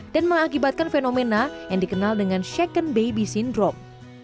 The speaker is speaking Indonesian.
dan mengakibatkan fenomena yang dikenal dengan second baby syndrome